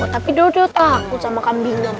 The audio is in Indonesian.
tapi dodot lah aku sama kambing